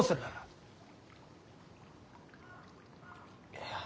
いや。